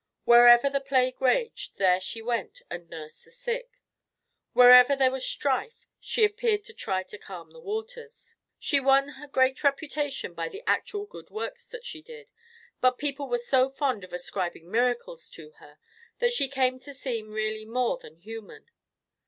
Wherever the plague raged there she went and nursed the sick; wherever there was strife she appeared to try to calm the waters. She won her great reputation by the actual good works that she did, but people were so fond of ascribing miracles to her that she came to seem really more than human.